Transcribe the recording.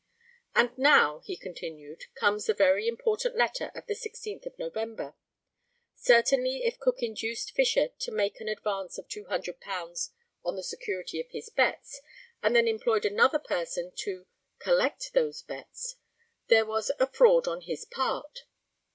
] And now, he continued, comes the very important letter of the 16th of November. Certainly if Cook induced Fisher to make an advance of £200 on the security of his bets, and then employed another person to collect those bets, there was a fraud on his part.